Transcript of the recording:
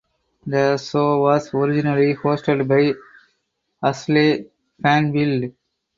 The show was originally hosted by Ashleigh Banfield.